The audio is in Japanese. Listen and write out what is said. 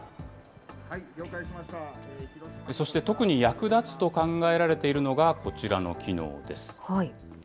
そして、特に役立つと考えられているのが、こちらの機能です。